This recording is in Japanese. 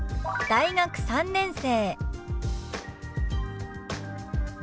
「大学３年生」。